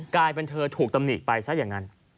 กลายเป็นเธอถูกตำหนิไปซะอย่างนั้น